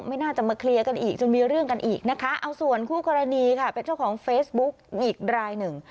ไม่น่าจะมาเคลียร์กันอีกจนมีเรื่องกันอีกนะคะ